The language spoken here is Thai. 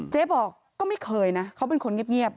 เจ๊บอกก็ไม่เคยนะเขาเป็นคนเงียบ